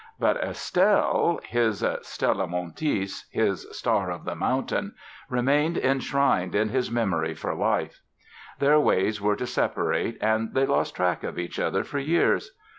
But Estelle—his "Stella montis", his "Star of the Mountain"—remained enshrined in his memory for life. Their ways were to separate and they lost track of each other for years.